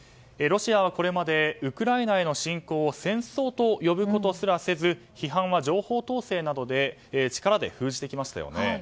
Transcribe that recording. ロシアはこれまでウクライナへの侵攻を戦争と呼ぶことすらせず批判は情報統制などで力で封じてきましたよね。